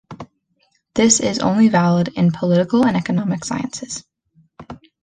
This is only valid in political and economic sciences.